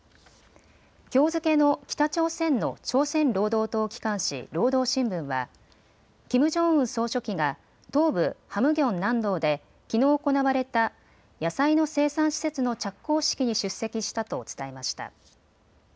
きょう付けの北朝鮮の朝鮮労働党機関紙、労働新聞は、キム・ジョンウン総書記が東部ハムギョン南道できのう行われた野菜の生産施設の着工式に出席したと伝えました。